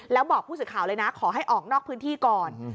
แล้วบอกผู้สื่อข่าวเลยนะขอให้ออกนอกพื้นที่ก่อน